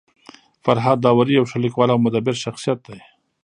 فرهاد داوري يو ښه لیکوال او مدبر شخصيت دی.